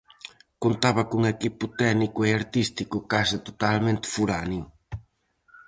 Contaba cun equipo técnico e artístico case totalmente foráneo.